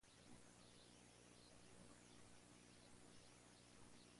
Así la obra concluye con un final alegre, sonoro y rotundo.